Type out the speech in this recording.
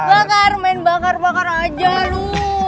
bakar main bakar bakar aja loh